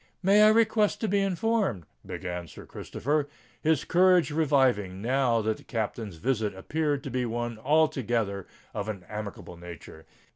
"May I request to be informed——" began Sir Christopher, his courage reviving now that the Captain's visit appeared to be one altogether of an amicable nature.